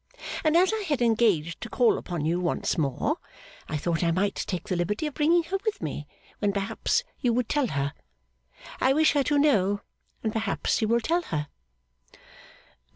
And as I had engaged to call upon you once more, I thought I might take the liberty of bringing her with me, when perhaps you would tell her. I wish her to know, and perhaps you will tell her?